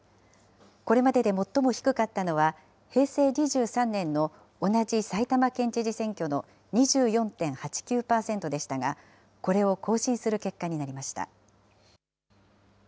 これまでで最も低かったのは、平成２３年の同じ埼玉県知事選挙の２４．８９％でしたが、これを更新する結果になりました。